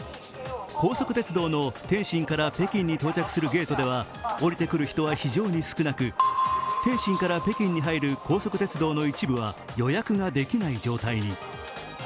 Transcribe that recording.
高速鉄道の天津から北京に到着するゲートでは降りてくる人は非常に少なく、天津から北京に入る高速道路は予約が出来ない状態に。